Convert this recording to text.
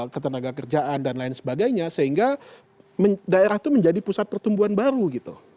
ketenaga kerjaan dan lain sebagainya sehingga daerah itu menjadi pusat pertumbuhan baru gitu